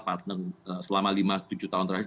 partner selama lima tujuh tahun terakhir